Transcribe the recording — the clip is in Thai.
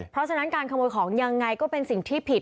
เพราะฉะนั้นการขโมยของยังไงก็เป็นสิ่งที่ผิด